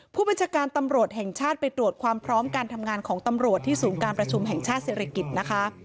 ผู้บัญชาการตำรวจแห่งชาติไปตรวจความพร้อมการทำงานของตำรวจที่ศูนย์การประชุมแห่งชาติศิริกิจนะคะ